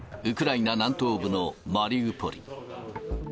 ウクライナ南東部のマリウポリ。